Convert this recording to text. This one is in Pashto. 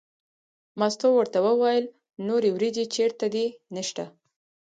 مستو ورته وویل نورې وریجې چېرته دي نشته.